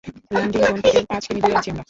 Landing zone থেকে পাচ কিমি দূরে আছি আমরা।